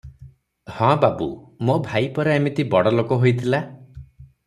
"ହଁ ବାବୁ! ମୋ ଭାଇ ପରା ଏମିତି ବଡ଼ଲୋକ ହୋଇଥିଲା ।